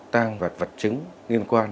tăng vật vật chứng liên quan